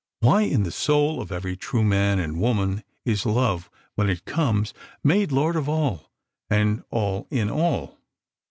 Why in the soul of every true man and woman is Love, when it comes, made Lord of all, and all in all?